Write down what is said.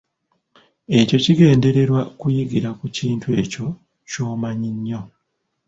Ekyo kigendererwa kuyigira ku kintu ekyo kyomanyi nnyo.